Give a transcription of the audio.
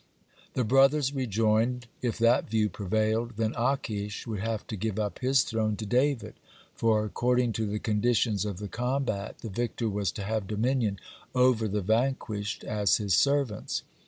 The brothers rejoined, if that view prevailed, then Achish would have to give up his throne to David, for, according to the conditions of the combat, the victor was to have dominion over the vanquished as his servants.